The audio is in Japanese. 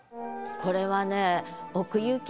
これはね。